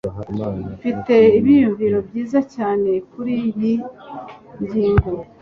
mfite ibyiyumvo byiza cyane kuriyi ngingo